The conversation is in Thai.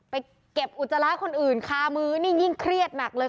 ไปเก็บอุจจาระคนอื่นคามือนี่ยิ่งเครียดหนักเลย